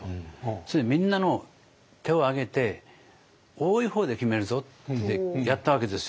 それでみんなの手を挙げて多い方で決めるぞってやったわけですよ